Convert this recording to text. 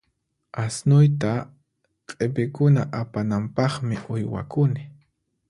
Asnuyta q'ipikuna apananpaqmi uywakuni.